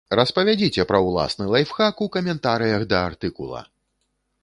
Распавядзіце пра ўласны лайфхак у каментарыях да артыкула!